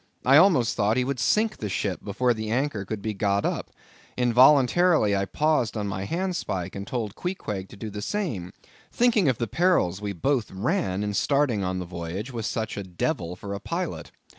I almost thought he would sink the ship before the anchor could be got up; involuntarily I paused on my handspike, and told Queequeg to do the same, thinking of the perils we both ran, in starting on the voyage with such a devil for a pilot.